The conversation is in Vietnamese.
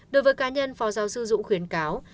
đối với cá nhân phó giáo sư dũng khuyến cáo